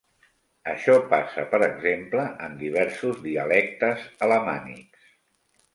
Això passa, per exemple, en diversos dialectes alamànics.